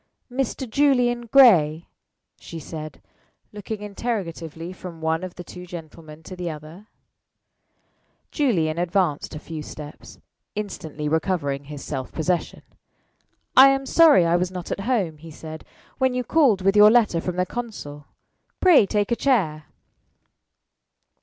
"Mr. Julian Gray?" she said, looking interrogatively from one of the two gentlemen to the other. Julian advanced a few steps, instantly recovering his self possession. "I am sorry I was not at home," he said, "when you called with your letter from the consul. Pray take a chair."